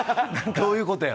どういうことやろ？